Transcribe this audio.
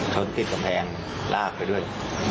ชนติดกำแพงลากไปด้วย